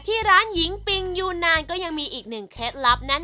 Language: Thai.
ที่ร้านหญิงปิงยูนานก็ยังมีอีกหนึ่งเคล็ดลับแน่น